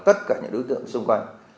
tất cả những đối tượng xung quanh